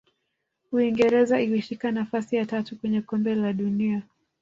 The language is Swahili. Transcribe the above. uingereza ilishika nafasi ya tatu kwenye kombe la dunia